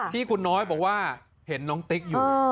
ที่คุณน้อยบอกว่าเห็นน้องติ๊กอยู่